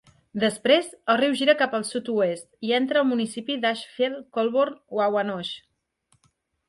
Després, el riu gira cap al sud-oest i entra al municipi d'Ashfield-Colborne-Wawanosh.